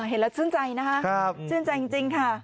เห็นแล้วชื่นใจนะคะชื่นใจจริงค่ะ